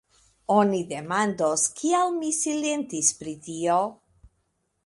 Oni demandos, kial mi silentis pri tio.